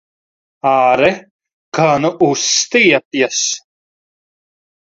Āre, kā nu uztiepjas!